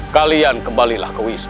kalian kembalilah ke wisma